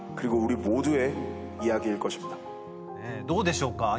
どうでしょうか？